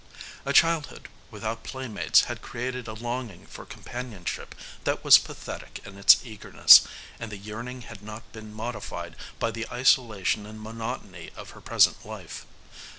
A childhood without playmates had created a longing for companionship that was pathetic in its eagerness, and the yearning had not been modified by the isolation and monotony of her present life.